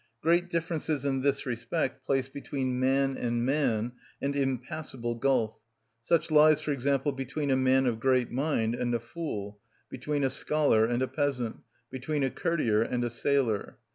Great differences in this respect place between man and man an impassable gulf: such lies, for example, between a man of great mind and a fool, between a scholar and a peasant, between a courtier and a sailor.